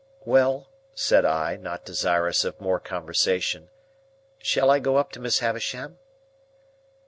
"Well," said I, not desirous of more conversation, "shall I go up to Miss Havisham?"